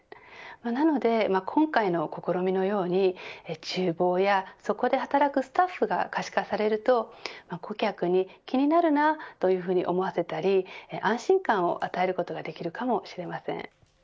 なので今回の試みのように厨房や、そこで働くスタッフが可視化されると顧客に気になるなというふうに思わせたり安心感を与えることができるかもしれません。